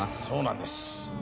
そうなんです。